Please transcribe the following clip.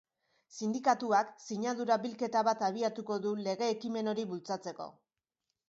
Sindikatuak sinadura bilketa bat abiatuko du lege ekimen hori bultzatzeko.